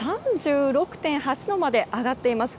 ３６．８度まで上がっています。